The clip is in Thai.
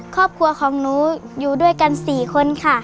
ครอบครัวของหนูอยู่ด้วยกัน๔คนค่ะ